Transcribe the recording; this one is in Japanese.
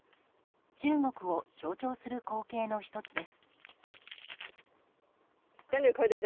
中国を象徴する光景の１つです。